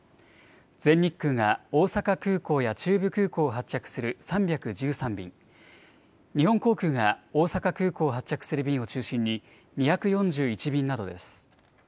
全日空が大阪空港や中部空港を発着する３１３便、日本航空が大阪空港を発着する便を中心に２４１便などです。